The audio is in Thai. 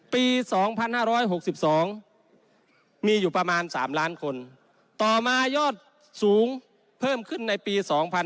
ปี๒๕๖๒มีอยู่ประมาณ๓ล้านคนต่อมายอดสูงเพิ่มขึ้นในปี๒๕๕๙